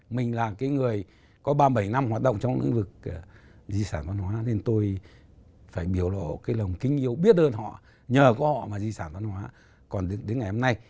mình là cái người có ba mươi bảy năm hoạt động trong lĩnh vực di sản văn hóa nên tôi phải biểu cái lòng kính yêu biết ơn họ nhờ có họ mà di sản văn hóa còn đến ngày hôm nay